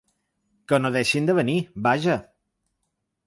Que no deixin de venir, vaja!